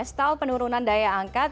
stall penurunan daya angkat